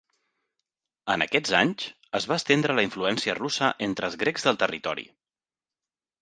En aquests anys, es va estendre la influència russa entre els grecs del territori.